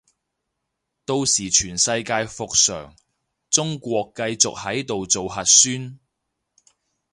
到時全世界復常，中國繼續喺度做核酸